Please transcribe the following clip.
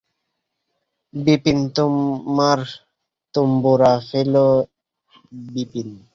বিপিন, তোমার তম্বুরা ফেলো– বিপিন।